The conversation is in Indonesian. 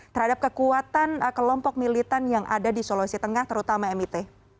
terhadap kekuatan kelompok militan yang ada di sulawesi tengah terutama mit